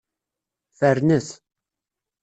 Fernet.